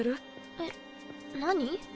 えっ何？